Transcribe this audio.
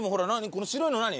この白いの何？